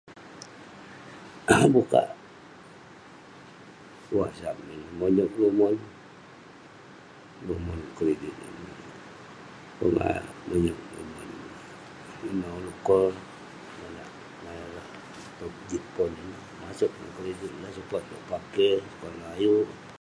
Bukak wasap ineh, monyerk numon. Numon kredit ineh. Pongah monyerk numon, ineh ulouk call [unintelligible] maseg neh kredit ineh. sukat ulouk pakey, sukat ulouk ayuk.